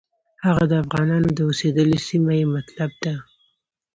هغه د افغانانو د اوسېدلو سیمه یې مطلب ده.